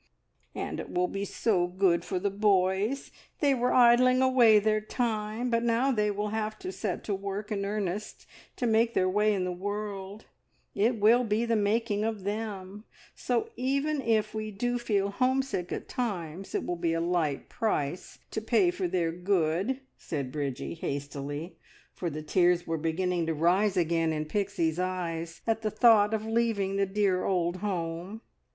"And it will be so good for the boys! They were idling away their time, but now they will have to set to work in earnest to make their way in the world. It will be the making of them, so even if we do feel homesick at times it will be a light price to pay for their good," said Bridgie hastily, for the tears were beginning to rise again in Pixie's eyes at the thought of leaving the dear old home.